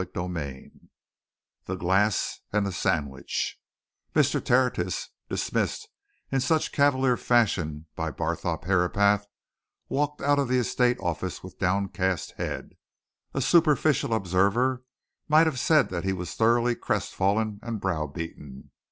CHAPTER V THE GLASS AND THE SANDWICH Mr. Tertius, dismissed in such cavalier fashion by Barthorpe Herapath, walked out of the estate office with downcast head a superficial observer might have said that he was thoroughly crestfallen and brow beaten.